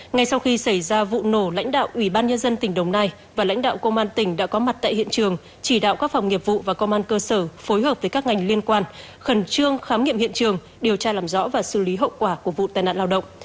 ngay sau khi xảy ra vụ nổ lãnh đạo ủy ban nhân dân tỉnh đồng nai và lãnh đạo công an tỉnh đã có mặt tại hiện trường chỉ đạo các phòng nghiệp vụ và công an cơ sở phối hợp với các ngành liên quan khẩn trương khám nghiệm hiện trường điều tra làm rõ và xử lý hậu quả của vụ tai nạn lao động